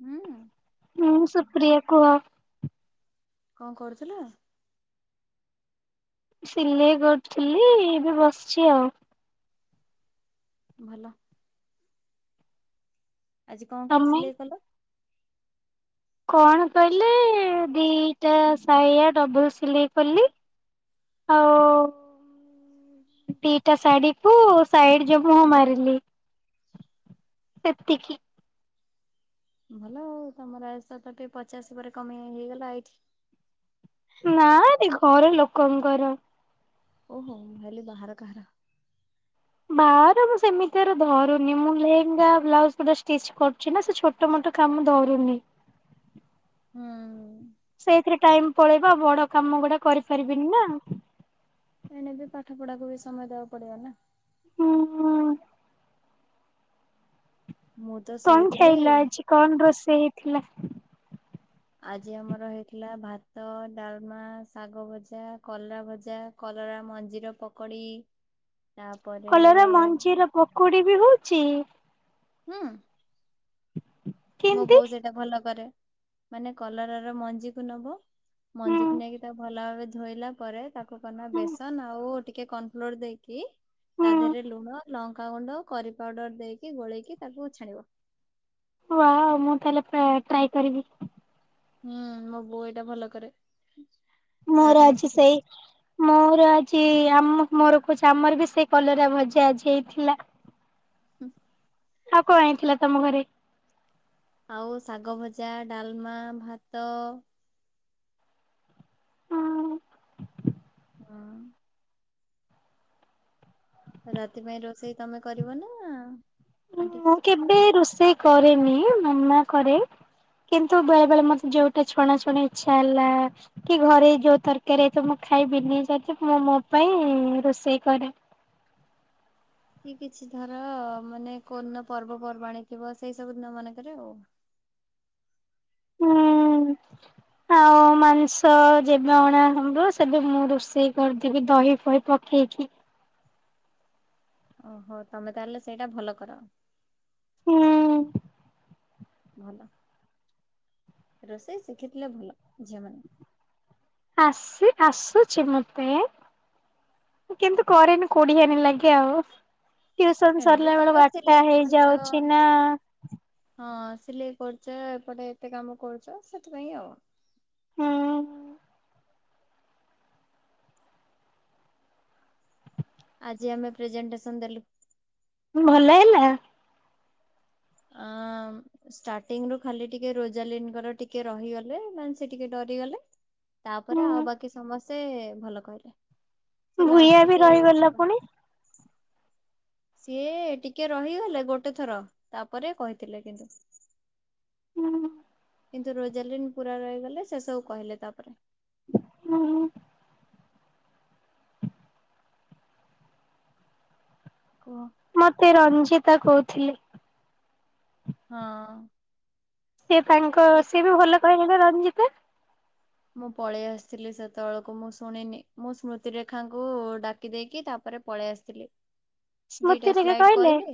ହୁଁ। ହୁଁ ସୁପ୍ରିୟା କୁହ। କଁ କରୁଥୁଲ? ସିଲେଇ କରୁଥିଲି ଏବେ ବସିଚି ଆଉ। ଭଲ। ଆଜି କଁ କଁ ତମେ? ସିଲେଇ କଲ? କଣ କହିଲେ ଦିଟା ସାହିଆ ଡବଲ୍ ସିଲେଇ କଲି। ଆଉ ଟିଟା ଶାଢ଼ୀକୁୁ ସାଇଡ଼୍ ଯୋଉ ମୁହଁ ମାରିଲି। ଏତିକି। ଭଲ ଆଉ ତମର ଆଜି ତଥାପି ପଚାଶ ପରେ କମେଇ ହେଇଗଲା ଏଇଠି। ନାଁରେ ଘର ଲୋକଙ୍କର। ଓହୋ ମୁଁ ଭାବିଲି ବାହାର କାହାର। ବାଆର ମୁଁ ସେମିତି ଅରା ଧରୁନି ମୁଁ ଲେହେଙ୍ଗା ବ୍ଲାଉଜ୍ ଗୁଟା ଷ୍ଟିଚ୍ କରୁଚି ନାଁ ସେ ଛୋ ଟ ମୋଟ କାମ ଧରୁନି। ହଁ। ସେଇଥିରେ ଟାଇମ୍ ପଳେଇବ ଆଉ ବଡ଼ କାମ ଗୁଡ଼ା କରିପାରିବିନି ନା। ଏଣେ ବି ପାଠ ପଢ଼ାକୁ ବି ସମୟ ଦବାକୁ ପଡ଼ିବ ନାଁ। ହୁଁ। ମୁଁ ତ କଣ ଶୋଇଥିଲି ଖାଇଲ ଆଜି କଣ ରୋଷେଇ ହେଇଥିଲା? ଆଜି ଆମର ହେଇଥିଲା ଭାତ, ଡାଲମା, ଶାଗ ଭଜା, କଲା ଭଜା। କଲରା ମଞ୍ଜିର ପକୋଡି଼ ତାପରେ ପକୁଡ଼ି ବି ହୋଉଚି? ହୁଁ। ମୋ କେମିତି ବୋଉ ସେଇଟା ଭଲ କରେ। ମାନେ କଲରର ମଞ୍ଜିକୁ ନବ। ହୁଁ ମଞ୍ଜିକୁ ନେଇକି ତାଉ ଭଲ ଭାବରେ ଧୋଇଲା ପରେ ତାକୁ କନା ହୁଁ ବେସନ ଆଉ ଟିକେ କନଫ୍ଲୋର୍ ଦେଇ କି ତା ହୁଁ ଦେହରେ ଲୁଣ ଲଙ୍କାଗୁଣ୍ଡ କରି ପାଉଡ଼ର୍ ଦେଇକି ଗୋଳେଇକି ତାକୁ ଛାଣିବ। ୱାଅ ମୁଁ ତାହେଲେ ପ୍ରା ଟ୍ରାଏ କରିବି। ହୁଁ ମୋବୋଉ ଏଇଟା ଭଲ କରେ। ତାଠୁ ମୋର ମୁଁ ଆଜି ଶିଖିଛି। ସେଇ ମୋର ଆଜି ଆମ ମୋର କହୁଚି ଆମରବି ସେଇ କଲରା ଭଜା ଆଜି ହେଇଥିଲା। ହୁଁ। ଆଉ କଣ ହେଇଥିଲା ତମ ଘରେ? ଆଉ ଶାଗ ଭଜା ଡ଼ାଲମା ଭାତ ହଁ। ରାତି ପାଇଁ ରୋଷେଇ ତମେ କରିବନା ଆଣ୍ଟି ମୁଁ କେବେ ରୋଷେଇ କରେନି ମାମା କରେ କିନ୍ତୁ ବେଳେ ବେଳେ ମତେ ଯୋଉଟା ଛଣା ଛୁଣି ଇଚ୍ଛା ହେଲା କି ଘରେ ଯୋଉ ତରକାରୀ ହେଇଥିବ ମୁଁ ଖାଇବିନି ସେଠୁ ମଁ ମୋ ପାଇଁ ରୋଷେଇ କରେ। କି କିଛି ଧର ମାନେ କୋଉଦିନ ପର୍ବପର୍ବାଣିୀ ଥିବ ସେଇ ସବୁ ଦିନ ମାନଙ୍କରେ ଆଉ। ହୁଁ। ହଁ ମାଂସ ଯେବେ ଅଣା ହବ ସେବେ ମୁଁ ରୋଷେଇ କରିଦେବି ଦହି ଫହି ପ ପକେଇକି ଓହୋ ତମେ ତାହେଲେ ସେଇଟା ଭଲ କର। ହୁଁ। ଭଲ ରୋଷେଇ ଶିଖିଥିଲେ ଭଲ ଝିଅମାନେ। ଆସି ଆସୁଚି ମତେ। କିନ୍ତୁ କରେନି କୋଡିିହାନି ଲାଗେ ଆଉ। ଟ୍ୟୁସନ ଏଣେ ବି ସରିଲା ବେଳେ ତମେ ବାରଟା ସିଲେଇ କରୁଛ ହେଇଯାଉଛି ନା। ହଁ ସିଲେଇ କରୁଚ ଏପଟେ ଏତେ କାମ କରୁଚ ସେଥିପାଇଁ ଆଉ। ହୁଁ। ଆଜି ଆମେ ପ୍ରେଜେଣ୍ଟେସନ ଦେଲୁ। ଭଲ ହେଲା। ଅଁ ଷ୍ଟାର୍ଟିଙ୍ଗରୁ ଖାଲି ଟିକେ ରୋଜାଲିନଙ୍କର ଟିକେ ରହିଗଲେ ମାନେ ସେଟିକେ ଡରିଗଲେ। ତାପରେ ଆଉ ହୁଁ ବାକି ସମସ୍ତେ ଭଲ କହିଲେ ସେ ଭୂଇଆ ବି ଲାଷ୍ଟ କୁ ରହିଗଲା ପୁଣି ସିଏ ଟିକେ ରହିଗଲେ ଗୋଟେ ଥର ତାପରେ କହିଥିଲେ କିନ୍ତୁ। ହୁଁ। କିନ୍ତୁ ରୋଜାଲିନ୍ ପୁରା ରହିଗଲେ ସେଶକୁ କହିଲେ ତାପରେ। ହୁଁ। କୁହ। ମତେ ରଞ୍ଜିତା କହୁଥିଲେ। ହଁ। ସେ ତାଙ୍କ ସିଏବି ଭଲ କଥିଲେନା ରଞ୍ଜିତ। ମୁଁ ପଳେଇ ଆସିଥିଲି ସେତେବେଳକୁ ମୁଁ ଶୁଣିନି ମୁଁ ସ୍ମୃତିରେଖାଙ୍କୁ ଡାକି ଦେଇକି ତାପରେ ପଳେଇ ଆସିଥିଲି ସ୍ମୃତି ଦିଇଟା ଟିକେ ସ୍ଲାଇଡ୍ କହିଲେ।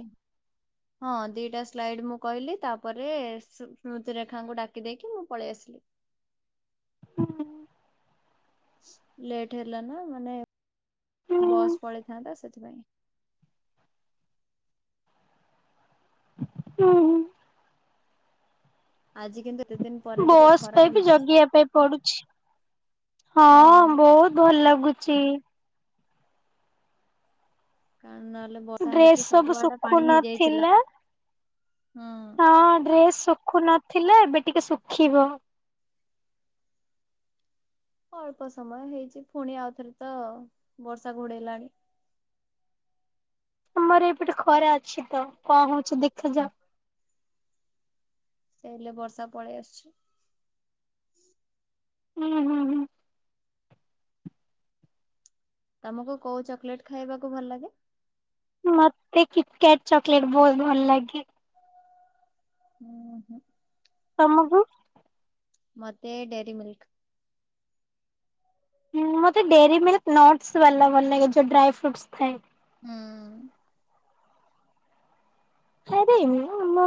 ହଁ ଦିଟା ସ୍ଲାଇଡ୍ ମୁଁ କହିଲି ତାପରେ ସ୍ମୃତିରେଖାଙ୍କୁ ଡାକି ଦେଇକି ମୁଁ ପଳେଇ ଆସିଲି। ହୁଁ। ଲେଟ୍ ହେଲାନା ମାନେ ବସ୍ ହୁଁ ପଳେଇଥାନ୍ତା ସେଥିପାଇଁ। ହୁଁ ହୁଁ। ଆଜି କିନ୍ତୁ ଏତେ ଦିନି ବସ୍ ପାଇଁକି ଜଗିବା ପାଇଁ ପଡ଼ୁଚି ହଁ ବହୁତ୍ ଭଲ ଲାଗୁଚି। କାଣ ନହେଲେ ବର୍ଷା ଡ୍ରେସ୍ ହେଇକି ସବୁ ସବୁଆଡେ ଶୁଖୁ ପାଣି ହେଇ ଯାଇଥିଲା ନଥିଲା। ହଁ। ହଁ ଡ୍ରେସ ଶୁଖୁ ନଥିଲା ଏବେ ଟିକେ ଶୁଖିବ। ଅଳ୍ପ ସମୟ ହେଇଛି। ପୁଣି ଆଉଥରେ ତ ବର୍ଷା ଘୋଡେଇଲାଣି। ଆମର ଏଇପଟେ ଖରା ଅଛି ତ। କଣ ହଉଛି ଦେଖାଯାଉ। ସେଇଲେ ବର୍ଷା ପଳେଇ ଆସୁଛି। ଉଁ ହୁଁ ହୁଁ। ତମକୁ କୋଉ ଚକୋଲେଟ ଖାଇବାକୁ ଭଲ ଲାଗେ। ମତେ କିଟକାଟ ଚକୋଲେଟ୍ ବହୁତ ଭଲ ଲାଗେ। ହୁଁ ହୁଁ। ତମକୁ? ମତେ ଡେରି ମିିଲ୍କ୍। ହୁଁ ମୋତେ ଡେରି ମ ନଟ୍ସ୍ ବାଲା ଭଲ ଲାଗେ। ଯେଉଁ ଡ୍ରାଏ ଫ୍ରୁଟ୍ସ୍ ଥାଏ। ହୁଁ। ଆରେ ଉଁ ମୁଁ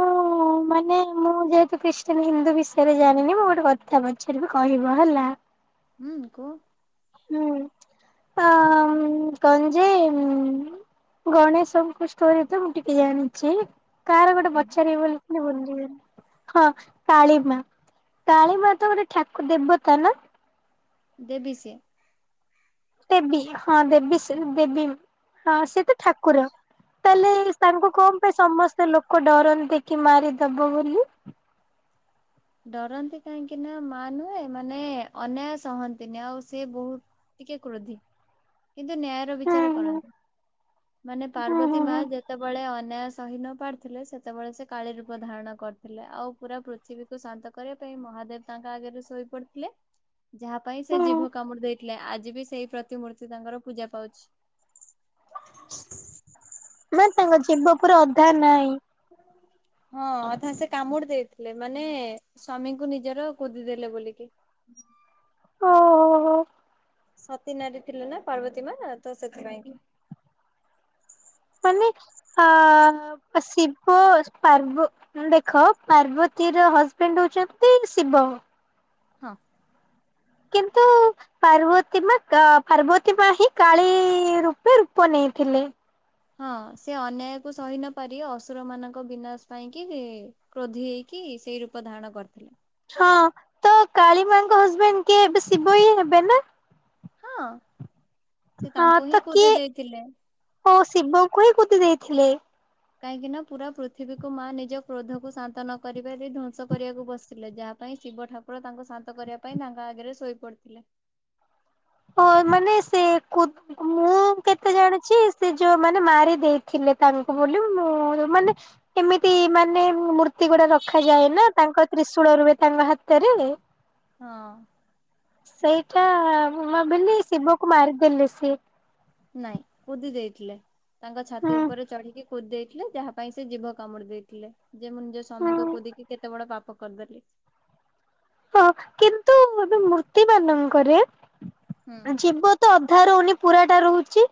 ମାନେ ମୁଁ ଯେହେତୁ ଖ୍ରୀଷ୍ଟିୟାନ ହିନ୍ଦୁ ବିଷୟରେ ଜାଣିନି। ମୁଁ ଗୋଟେ କଥା କଥା ପଚାରିବି କହିବ ହେଲା। ହୁଁ କୁହ। ହୁଁ ଆ ଉଁ କଣ ଯେ ଉଁ। ଗଣେଶଙ୍କ ଷ୍ଟୋରି ତ ମୁଁ ଟିକେ ଜାଣିଛି। କାହାର ଗୋଟେ ପଚାରିବି ବୋଲି। ଭୁଲି ଗଲି। ହଁ କାଳିମା କାଳିମା ତ ଗୋଟେ ଠାକୁ ଦେବତା ନା। ଦେବୀ ସିଏ। ଦେବୀ ହଁ ଦେବୀ ସେ ଦେବୀ ହଁ ସେ ତ ଠାକୁର। ତାହେଲେ ତାଙ୍କୁ କଣ ପାଇଁ ସମସ୍ତେ ଲୋକ ଡରନ୍ତି କି ମାରିଦବ ବୋଲି। ଡରନ୍ତି କାହିଁକି ନା ମା ନୁହେଁ ମାନେ ଅନ୍ୟାୟ ସହନ୍ତିନି ଆଉ ସିଏ ବହୁତ। ଟିକେ କ୍ରୋଧୀ। କିନ୍ତୁ ନ୍ୟାୟର ହୁଁ ବିଚାର ହୁଁ କରନ୍ତି ମାନେ ହୁଁ ପାର୍ବତୀ ହୁଁ ମା ହୁଁ ଯେତେବେଳେ ଅନ୍ୟାୟ ସ ସହି ନ ପାରୁଥିଲେ ସେତେବେଳେ ସେ କାଳୀ ରୂପ ଧାରଣ କରିଥିଲେ ଆଉ ପୁରା ପୃଥିବୀ। କୁ ଶାନ୍ତ କରିବା ପାଇଁ ମହାଦେବ ତାଙ୍କ ଆଗରେ ଶୋଇ ପଡିଥିଲେ। ଯାହା ପାଇଁ ସେ ହୁଁ ଜିଭ କାମୁଡି ଦେଇଥିଲେ ଆଜି ବି ସେଇ ପ୍ରତି ପ୍ରତିମୂର୍ତ୍ତି ତାଙ୍କର ପୂଜା ପାଉଛି। ନା ତାଙ୍କ ଜୀବ ପୁରା ଅଧା ନାଇଁ। [unintelligible] ହଁ ଅଧା ସେ କାମୁଡି ଦେଇଥିଲେ ମାନେ ସ୍ଵାମୀଙ୍କୁ ନିଜର କୁଦି ଦେଲେ ବୋଲିକି। ଓହୋ ହୋ। ସତୀ ନାରୀ ଥିଲେ ନା ପାର୍ବତୀ ମା ତ ସେଥିପାଇଁ କି। ମାନେ ଆ ଶିବ ପାର୍ବ ମାନେ ଦେଖ ପାର୍ବତୀ ର ହଜବେଣ୍ଡ ହଉଛନ୍ତି ଶିବ। ହଁ। କିନ୍ତୁ ପାର୍ବତୀ ମା କା ପାର୍ବତୀ ମା ହିଁ କାଳୀ ରୂପେ ରୂପ ନେଇଥିଲେ। ହଁ ସେ ଅନ୍ୟାୟକୁ ସହି ନ ପାରି ଅସୁର ମାନଙ୍କ ବିନାଶ ପାଇଁ କି। କ୍ରୋଧି ହେଇକି ସେଇ ରୂପ ଧାରଣ କରିଥିଲେ। ହଁ ତ କାଳୀ ମା ଙ୍କ ହଜବେଣ୍ଡ କିଏ ଏବେ ଶିବ ହିଁ ହେବେ ନା। ହଁ। ସେ ହଁ ତାଙ୍କୁ ହିଁ ତ କୁଦି କିଏ ଦେଇଥିଲେ। ଓ ଶିବଙ୍କୁ ହିଁ କୁଦି ଦେଇଥିଲେ। କାହିଁକି ନା ପୁରା ପୃଥିବୀକୁ ମା ନିଜ କ୍ରୋଧକୁ ଶାନ୍ତ ନ କରିବାରେ ଧ୍ଵଂସ କରିବାକୁ ବସିିଲେ ଯାଅ ପାଇଁ ଶିବ ଠାକୁର ତାଙ୍କୁ ଶାନ୍ତ କରିବା ପାଇଁ ତାଙ୍କ ଆଗରେ ଶୋଇ ପଡିଥିଲେ। ଓ ମାନେ ସେ କୁ ମୁଁ କେତେ ଜାଣିଛି ସେ ଯୋଉମାନେ ମାରି ଦେଇଥିଲେ ତାଙ୍କୁ ବୋଲି ମୁଁ ମାନେ ଏମିତି ମାନେ ମୂର୍ତ୍ତି ଗୁଡା ରଖାଯାଏ ନା ତାଙ୍କ ତ୍ରିଶୂଳ ରୁହେ ତାଙ୍କ ହାତରେ। ହଁ। ସେଇଟା ମୁ ଭାବିଲି ଶିବକୁ ମାରି ଦେଲେ ସିଏ। ନାଇଁ କୁଦି ଦେଇଥିଲେ ତାଙ୍କ ଛାତି ହୁଁ ଉପରେ ଚଢିକି କୁଦି ଦେଇଥିଲେ ଯାହା ପାଇଁ ସେ ଜୀବ କାମୁଡି ଦେଇଥିଲେ ଯେ ମୁଁ ନିଜ ସ୍ୱାମୀଙ୍କୁ ହୁଁ। କୁଡ଼ିକି କେତେ ବଡ ପାପ କରିଦେଲି ହଁ କିନ୍ତୁ ମୂର୍ତ୍ତି ମାନଙ୍କରେ ହୁଁ। ଜୀବ ତ ଅଧା ରଉନି ପୁରା ଟା ରହୁଛି ତ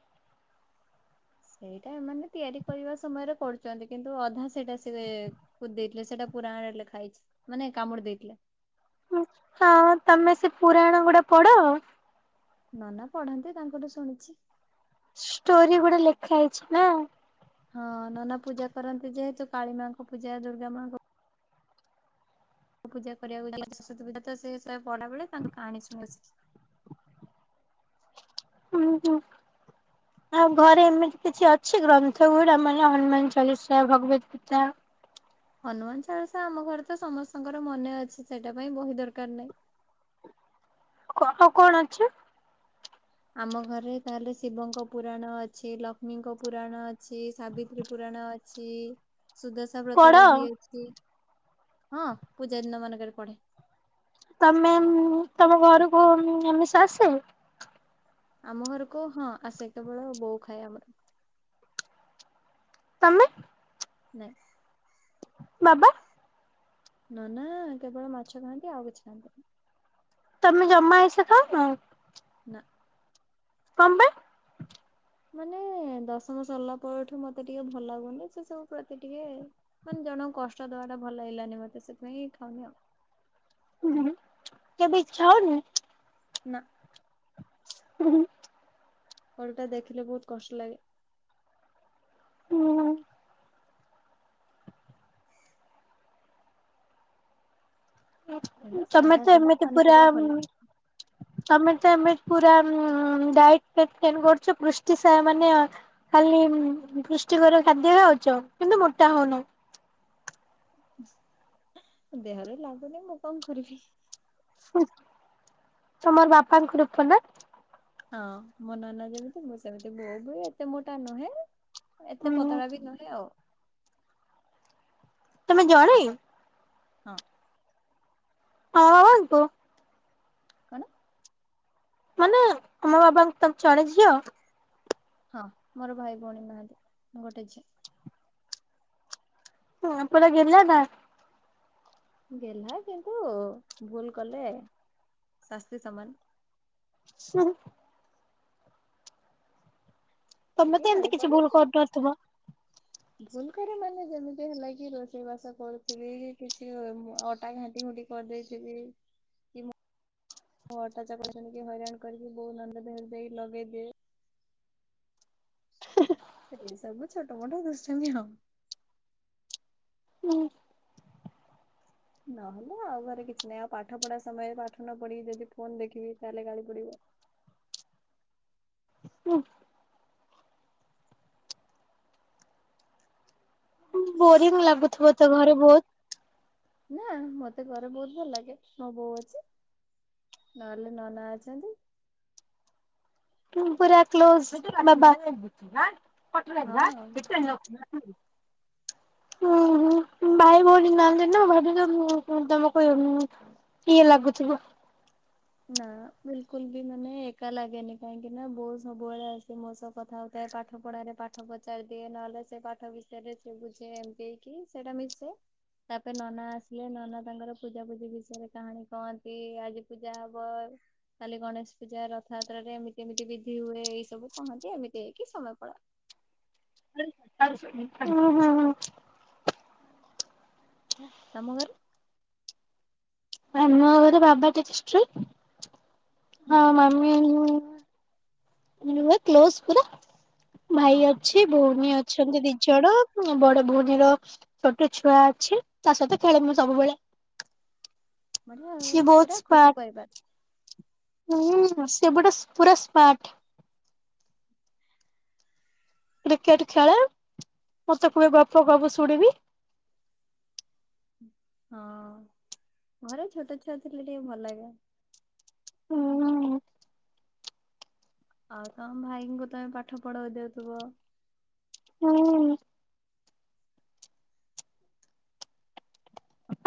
ସେଇଟା ଏମାନେ ତିଆରି କରିବା ସମୟରେ କରୁଛନ୍ତି କିନ୍ତୁ ଅଧା ସେଇଟା ସେ କୁଦି ଦେଇଥିଲେ ସେଇଟା ପୁରାଣ ଲେଖାଇଛି ମାନେ କାମୁଡି ଦେଇଥିଲେ। ହଁ ତମେ ସେ ପୁରାଣ ଗୁଡା ପଢ? ନନା ପଢାନ୍ତି ତାଙ୍କଠୁ ଶୁଣିଛି। ଷ୍ଟୋରି ଗୋଡେ ଲେଖା ହେଇଛି ନା। ହଁ ନନା ପୂଜା କରନ୍ତି ଯେହେତୁ କାଳୀ ମାଙ୍କ ପୂଜା ଦୁର୍ଗା ମା ଙ୍କ ପୂଜା କରିବାକୁ [unintelligible] ପୂଜା ତ ସେ ପଡା ବେଳେ ତାଙ୍କୁ କାହାଣି ଶୁଣିଛି, ହୁଁ ହୁଁ। ଆଁ ଘରେ ଏମିତି କିଛି ଅଛି ଗ୍ରନ୍ଥ ଗୁଡା ମାନେ ହନୁମାନ ଚାଳିଶା ଭଗବତ ତା ହନୁମାନ ଚାଳିଶା ଆମ ଘରେ ତ ସମସ୍ତଙ୍କର ମନେ ଅଛି ସେଇଟା ପାଇଁ ବହି ଦରକାର ନାହିଁ। କହ କଣ ଅଛି ଆମ ଘରେ ତାହେଲେ ଶିବଙ୍କ ପୁରାଣ ଅଛି ଲକ୍ଷ୍ମୀଙ୍କ ପୁରାଣ ଅ ଅଛି ସାବିତ୍ରୀ ପୁରାଣ ଅଛି ସୁଦଶା ବ୍ରତ ପଢ? ବହି ଅଛି। ହଁ ପୂଜା ଦିନ ମାନଙ୍କରେ ପଢେ। ତମେ ତମ ଘରକୁ ଆମିଷ ଆସେ? ଆମ ଘରକୁ ହଁ ଆସେ କେବଳ ବୋଉ ଖାଏ ଆମର। ତମେ? ନାଇଁ। ବାବା? ନନା କେବଳ ମାଛ ଖାଆନ୍ତି ଆଉ କିଛି ଖାଆନ୍ତିନି। ତମେ ଜମା ଆଇଁଷ ଖଉନ? ନା। ହଁ ବା। ମାନେ ଦଶମ ସରିଲା ପରଠୁ ମତେ ଟିକେ ଭଲ ଲାଗୁନି ସେ ସବୁ ପ୍ରତି ଟିକେ ମାନେ ଜଣଙ୍କୁ କଷ୍ଟ ଦବା ଟା ଭଲ ଲାଗିଲାନି ମତେ ସେଥିପାଇଁ ଖାଉନି ଆଉ। ହୁଁ କେବେ ଇଚ୍ଛା ହଉନି? ନା। ହୁଁ ହୁଁ। ଓଲଟା ଦେଖିଲେ ବହୁତ କଷ୍ଟ ଲାଗେ। ହୁଁ ହୁଁ। ହେଲେ ତମେ ସାଧା ତ ସିଧା ଏମିତି ପୁରା ପନିପରିବା ଭଲ। ତମେ ତ ଏବେ ପୂରା ଡାଏଟ ମେଣ୍ଟେନ କରୁଛ ପୃଷ୍ଟି ସାର ମାନେ ଖାଲି ପୃଷ୍ଟିକର ଖାଦ୍ୟ ଖାଉଛ, କିନ୍ତୁ ମୋଟା ହଉନି। ଦେହରେ ଲାଗୁନି ମୁଁ କଣ କରିବି! [inaudible] ତମର ବାପାଙ୍କ ରୂପ ନା। ହଁ, ମୋ ନନା ଯେମିତି ମୁଁ ସେମିତି। ବୋଉ ବି ଏତେ ମୋଟା ନୁହେଁ। ଏତେ ନା? ପତଳା ବି ନୁହେଁ ଆଉ। ତମେ ଜଣେ? ହଁ। ହଁ ହଁ ହନ୍ତୁ। କଣ? ମାନେ ତମ ବାବାଙ୍କ ତମେ, ଜଣେ ଝିଅ? ହଁ, ମୋର ଭାଇ ଭଉଣୀ ନାହାଁନ୍ତି। ମୁଁ ଗୋଟେ ଝିଅ। ହଁ, ପୁରା ଗେଲ୍ହା ନା? ଗେଲ୍ହା କିନ୍ତୁ, ଭୁଲ୍ କଲେ ଶାସ୍ତି ସମାନ। ହୁଁ ହୁଁ। ତମେ ଟିକେ ତ ଗାଳି ଏମିତି କିଛି ପଡ଼େ। ଭୁଲ [unintelligible] କରୁନଥିବ। ଭୁଲ୍ କରେ ମାନେ ଯେମିତି ହେଲା କି, ରୋଷେଇ ବାସ କରୁଥିବି କିଛି ଅଟା ଘାଣ୍ଟି ଘୁଣ୍ଟି କରିଦେଇଥିବି କି ମୁଁ ଅଟା ଚକଟା [unintelligible] ହଇରାଣ କରିକି ବଉ ନନା ଦେହରେ ଦେଇ ଲଗେଇଦିଏ। [inaudible] ଏଇ ସବୁ ଛୋଟ ମୋଟ ଦୃଷ୍ଟାମୀ ଆଉ। ନହେଲେ, ଆଉ ଘରେ କିଛି ନାହିଁ। ଆଉ ପାଠ ପଢା ସମୟରେ ପାଠ ନ ପଢି ଯଦି ଫୋନ୍ ଦେଖିବି ତାହେଲେ ଗାଳି ପଡିବ। ବୋରିଂ ଲାଗୁଥିବ ତ ଘରେ ବହୁତ! ନାଁ, ମତେ ଘରେ ବହୁତ ଭଲ ଲାଗେ। ମୋ ବୋଉ ଅଛି। ନହେଲେ ନନା ଅଛନ୍ତି। ପୁରା କ୍ଲୋଜ୍ ବାବା। ହଁ ହୁଁ, ହୁଁ ଭାଇ ଭଉଣୀ ନାହାଁନ୍ତି ନା, ଭାବିଲି ତମକୁ ଉଁ ଇଏ ଲାଗୁଥିବ। ନା ବିଲ୍ କୁଲ୍ ବି ମାନେ ଏକା ଲାଗେନି କାହିଁକି ନା, ବୋଉ ସବୁବେଳେ ଆସେ ମୋ ସହ୍ କଥା ହଉଥାଏ। ପାଠ ପଢାରେ ପାଠ ପଚାରି ଦିଏ, ନହେଲେ ସେ ପାଠ ବିଷୟରେ ସେ ବୁଝେ, ଏମତି। କି ସେଟା ମିଶେ ତା'ପରେ ନନା ଆସିଲେ, ନନା ତାଙ୍କର ପୂଜା ପୂଜି ବିଷୟରେ କାହାଣୀ କହନ୍ତି। ଆଜି ଯାହା ହବ-ଅ କାଲି ଗଣେଶ ପୂଜା, ରଥଯାତ୍ରାରେ, ଏମିତି ଏମିତି ବିଧି ହୁଏ, ଏଇ ସବୁ କହନ୍ତି, ଏମିତି ହେଇକି ସମୟ ପଳାଏ। ଉଁ ହୁଁ ହୁଁ। ହେଁ ତମ ଘରେ? ଆମ ଘରେ ବାବା ଟିକେ ଷ୍ଟ୍ରିକ୍, ହୁଁ, ଆଉ ମମି ହୁଏ କ୍ଲୋସ୍ ପୁରା। ଭାଇ ହଁ ଆଉ ଅଛି, ଭଉଣୀ ଅଛନ୍ତି ଦି ଜଣ। ବଡ ଭଉଣୀର ଛୋଟ ଛୁଆ ଅଛି, ତା ସହିତ ଖେଳେ ମୁଁ ସବୁବେଳେ। ବଢିଆ ଆଉ, ସିଏ ବହୁତ ପୁରା ଖୁସି ସ୍ମାର୍ଟ ପରିବାର। ହୁଁ, ସେ ବୁଟା ପୁରା ସ୍ମାର୍ଟ। କ୍ରିକେଟ ଖେଳେ, ମତେ କୁହେ ଗପ କହ ମୁଁ ଶୁଣିବି। ହଁ-ଅଁ ଘରେ ଛୋଟ ଛୁଆ ଥିଲେ, ଟିକେ ଭଲ ଲାଗେ। ହୁଁ -ଉଁ -ଉ। ଆଉ ତମ ଭାଇଙ୍କୁ ତମେ ପାଠ ପଢାଇ ଦେଉଥିବ? ହୁଁ।